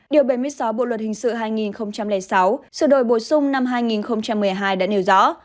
điều bảy mươi sáu bộ luật hình sự hai nghìn sáu sửa đổi bổ sung năm hai nghìn một mươi hai đã nêu rõ